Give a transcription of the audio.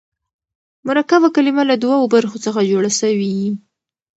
مرکبه کلمه له دوو برخو څخه جوړه سوې يي.